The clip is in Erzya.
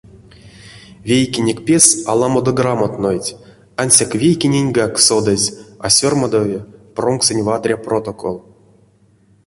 Вейкенек пес аламодо грамотнойть, ансяк вейкененьгак, содазь, а сёрмадови промксонь вадря протокол.